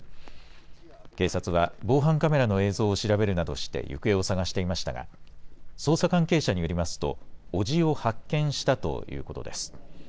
警察は、防犯カメラの映像を調べるなどして行方を捜していましたが、捜査関係者によりますと、伯父を発見したということです。